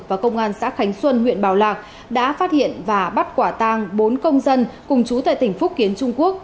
và công an xã khánh xuân huyện bảo lạc đã phát hiện và bắt quả tang bốn công dân cùng chú tại tỉnh phúc kiến trung quốc